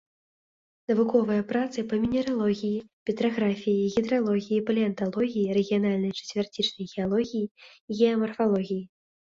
Навуковыя працы па мінералогіі, петраграфіі, гідралогіі, палеанталогіі, рэгіянальнай чацвярцічнай геалогіі, геамарфалогіі.